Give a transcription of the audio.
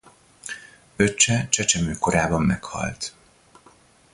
Öccse csecsemőkorában meghalt.